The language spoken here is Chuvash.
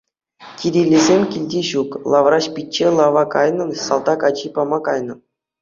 Кирилесем килте ҫук, Лавраҫ пичче лава кайнӑ, салтак ачи пама кайнӑ.